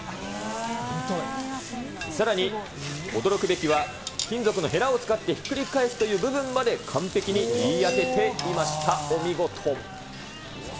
さらに、驚くべきは金属のへらを使ってひっくり返すという部分まで完璧に言い当てていました、お見事。